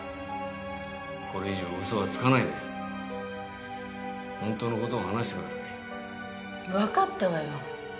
これ以上ウソはつかないで本当のことを話してください分かったわよ